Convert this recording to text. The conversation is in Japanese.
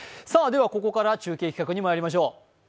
ここからは中継企画にまいりましょう。